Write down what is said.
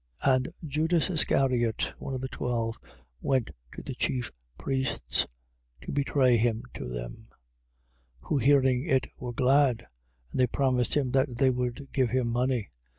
And Judas Iscariot, one of the twelve, went to the chief priests, to betray him to them. 14:11. Who hearing it were glad: and they promised him they would give him money.